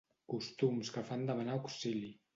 Costums que fan demanar auxili.